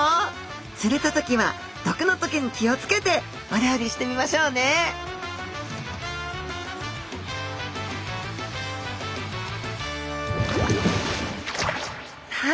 釣れた時は毒の棘に気を付けてお料理してみましょうねさあ